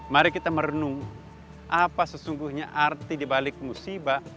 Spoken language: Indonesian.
mari kita merenung apa sesungguhnya arti dibalik musibah